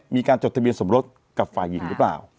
จดทะเบียนสมรสกับฝ่ายหญิงหรือเปล่า